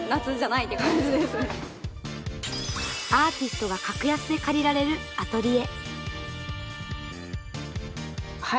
アーティストが格安で借りられるアトリエ。